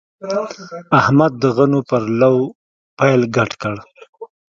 احمد د غنو پر لو پیل ګډ کړ.